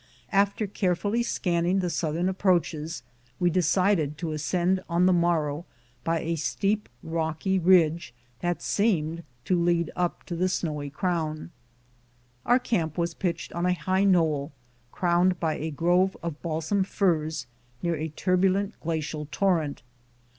After carefully scanning the southern approaches, we decided to ascend on the morrow by a steep, rocky ridge that seemed to lead up to the snowy crown. Our camp was pitched on a high knoll crowned by a grove of balsam firs, near a turbulent glacial torrent.